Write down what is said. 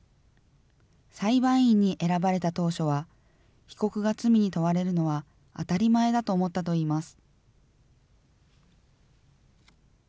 裁判員に選ばれた当初は、被告が罪に問われるのは当たり前だと思ったといいます。